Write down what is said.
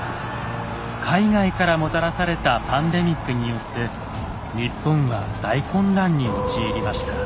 海外からもたらされたパンデミックによって日本は大混乱に陥りました。